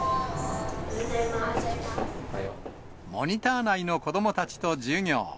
モニター内の子どもたちと授業。